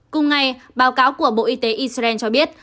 cùng ngày báo cáo của bộ y tế israel cho biết